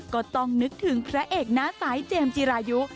ก็ต้องนึกถึงพระเอกหน้าสายเจมส์จิรายุ